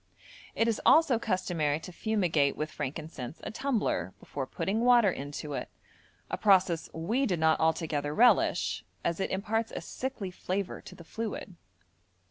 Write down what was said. It is also customary to fumigate with frankincense a tumbler before putting water into it, a process we did not altogether relish, as it imparts a sickly flavour to the fluid.